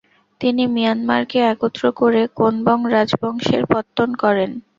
তিনি মিয়ানমারকে একত্র করে কোনবং রাজবংশের পত্তন করেন।